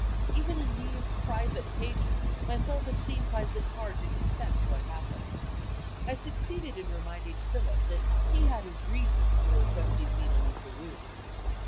Even in these private pages, my self esteem finds it hard to confess what happened. I succeeded in reminding Philip that he had his reasons for requesting me to leave the room.